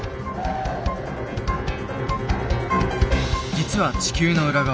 実は地球の裏側